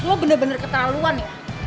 lo bener bener ketahuan ya